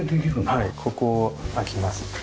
はいここ開きます。